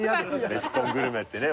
ベスコングルメってね